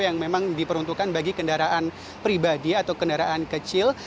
yang memang diperuntukkan bagi kendaraan pribadi atau kendaraan kecil